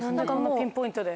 ピンポイントで。